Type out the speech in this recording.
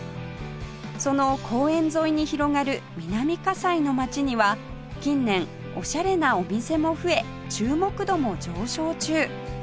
その公園沿いに広がる南西の街には近年オシャレなお店も増え注目度も上昇中